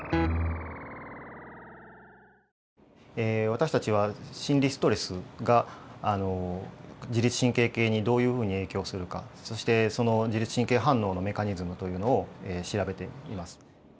私たちは心理ストレスが自律神経系にどういうふうに影響するかそしてその自律神経反応のメカニズムというのを調べています。